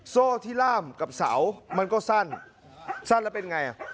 โซ่ที่ล่ามกับเสามันก็สั้นสั้นแล้วเป็นไง